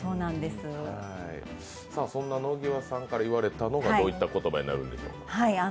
そんな野際さんから言われたのがどういった言葉になるんでしょうか？